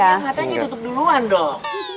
yang matanya ditutup duluan dong